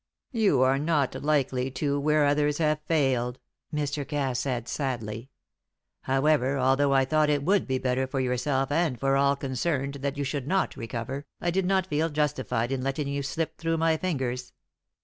"You are not likely to where others have failed," Mr. Cass said, sadly. "However, although I thought it would better for yourself and for all concerned that you should not recover, I did not feel justified in letting you slip through my fingers.